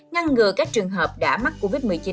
ngăn ngừa các trường hợp đã mắc covid một mươi chín